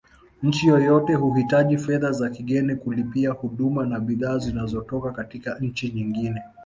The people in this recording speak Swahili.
Nchi yoyote huhitaji fedha za kigeni kulipia huduma na bidhaa zinazotoka katika nchi nyingine